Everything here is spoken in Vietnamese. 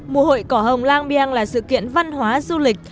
mùa hội cỏ hồng lang biang là sự kiện văn hóa du lịch